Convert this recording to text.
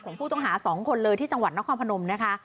ของผู้ต้องหา๒คนเลยที่จังหวัดนครพนมนะคะ